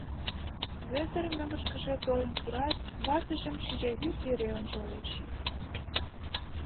Вӧдыр мӧҥгышкыжӧ толын пурат, ватыжым шинчавӱд йӧре ончалеш.